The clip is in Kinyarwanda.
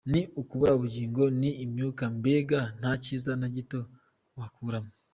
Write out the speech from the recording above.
ni ukubura ubugingo, ni imyaku, mbega nta kiza na gito wakuramo.